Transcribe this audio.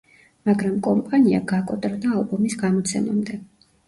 მაგრამ კომპანია გაკოტრდა ალბომის გამოცემამდე.